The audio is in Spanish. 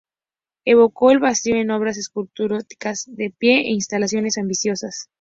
Evocó el vacío en obras escultóricas de pie y en instalaciones ambiciosas.